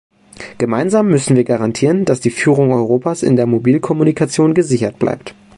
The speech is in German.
Gemeinsam müssen wir garantieren, dass die Führung Europas in der Mobilkommunikation gesichert bleibt.